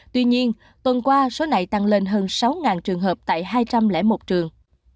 tuy nhiên tuần qua số này tăng lên hơn sáu trường hợp tại hai trăm linh một trường